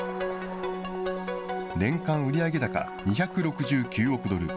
年間売上高２６９億ドル。